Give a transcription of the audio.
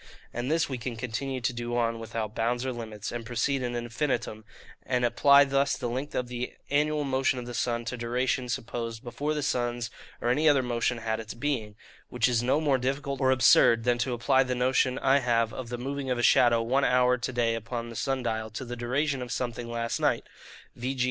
And this we can continue to do on, without bounds or limits, and proceed in infinitum, and apply thus the length of the annual motion of the sun to duration, supposed before the sun's or any other motion had its being, which is no more difficult or absurd, than to apply the notion I have of the moving of a shadow one hour to day upon the sun dial to the duration of something last night, v. g.